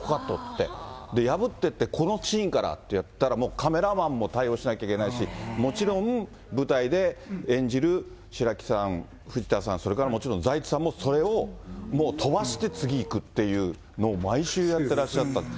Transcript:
ここカット、ここカットって言って、破っていって、このシーンからって言ってやったら、カメラマンも帯同しなきゃいけないし、もちろん、舞台で演じる白木さん、藤田さん、それからもちろん財津さんもそれをもう飛ばして次行くっていうのを毎週やってらっしゃったって。